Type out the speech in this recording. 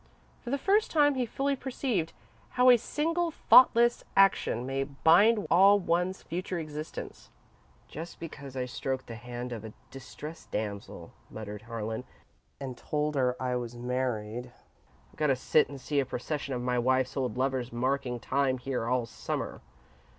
For the first time he fully perceived how a single thoughtless action may bind all one's future existence. "Just because I stroked the hand of a distressed damsel," muttered Harlan, "and told her I was married, I've got to sit and see a procession of my wife's old lovers marking time here all Summer!"